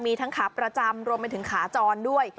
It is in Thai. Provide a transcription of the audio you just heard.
มีทั้งขาประจำรวมไปถึงขาจรด้วย